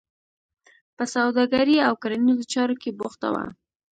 په سوداګرۍ او کرنیزو چارو کې بوخته وه.